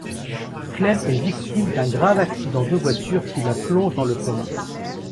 Clem est victime d’un grave accident de voiture, qui la plonge dans le coma.